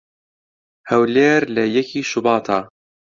"هەولێر لە یەکی شوباتا"